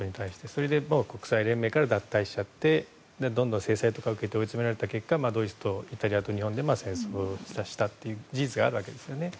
それで国際連盟から脱退してどんどん制裁とか受けて追い詰められた結果ドイツとイタリアと日本で戦争をし出したという事実があるわけですね。